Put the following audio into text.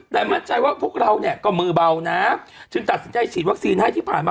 แต่มั่นใจว่าพวกเราเนี่ยก็มือเบานะจึงตัดสินใจฉีดวัคซีนให้ที่ผ่านมา